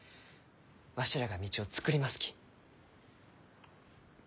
わしらが道をつくりますき。